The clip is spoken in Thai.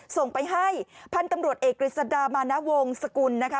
ส่งไปให้พันธุ์ตำรวจเอกกฤษดามาณวงศกุลนะคะ